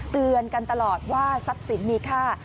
เตือนกันตลอดว่าทรัพย์สินมีค่า